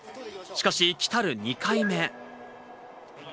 しかし、来る２回目。